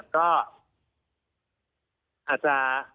ก็อาจจะ